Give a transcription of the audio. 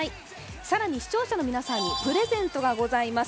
更に視聴者の皆さんにプレゼントがございます。